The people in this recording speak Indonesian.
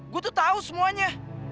gue tuh tau semuanya